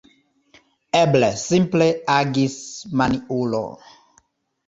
Eble, simple agis maniulo!